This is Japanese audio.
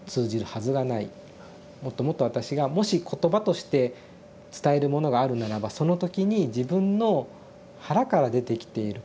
もっともっと私がもし言葉として伝えるものがあるならばその時に自分の腹から出てきている言葉